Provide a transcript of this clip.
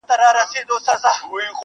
خو ټول حقيقت نه مومي هېڅکله,